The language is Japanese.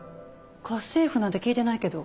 家政婦なんて聞いてないけど。